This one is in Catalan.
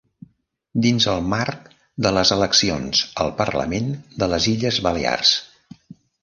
Dins el marc de les eleccions al Parlament de les Illes Balears.